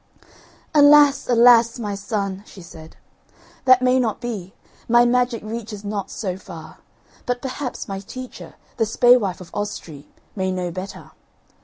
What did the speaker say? "Alas! alas! my son," she said, "that may not be; my magic reaches not so far. But perhaps my teacher, the spaewife of Ostree, may know better."